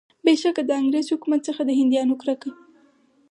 بېشکه د انګریز حکومت څخه د هندیانو کرکه.